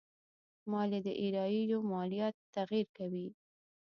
مالي داراییو ماليات تغير کوي.